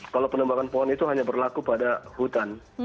kalau penembangan pohon itu hanya berlaku pada hutan